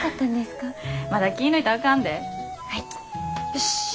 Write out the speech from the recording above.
よし。